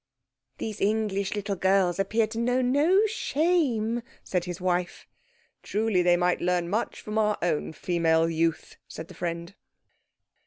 "These English little girls appear to know no shame," said his wife. "Truly they might learn much from our own female youth," said the friend.